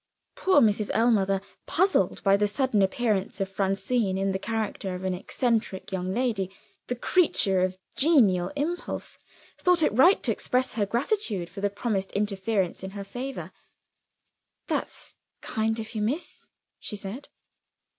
Poor Mrs. Ellmother, puzzled by the sudden appearance of Francine in the character of an eccentric young lady, the creature of genial impulse, thought it right to express her gratitude for the promised interference in her favor. "That's kind of you, miss," she said.